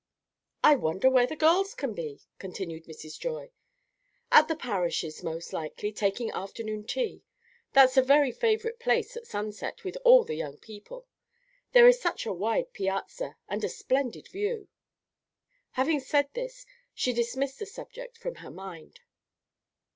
"I wonder where the girls can be," continued Mrs. Joy. "At the Parishes', most likely, taking afternoon tea. That's a very favorite place at sunset with all the young people. There is such a wide piazza, and a splendid view." Having said this, she dismissed the subject from her mind.